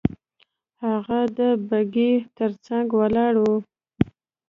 هغه د بګۍ تر څنګ ولاړ وو.